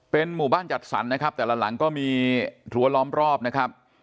เป็นหมู่บ้านจัดสรรนะครับแต่ละหลังก็มีรั้วล้อมรอบนะครับ